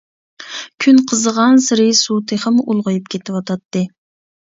كۈن قىزىغانسېرى سۇ تېخىمۇ ئۇلغىيىپ كېتىۋاتاتتى.